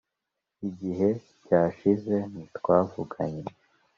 igihe cyashize nti twavuganye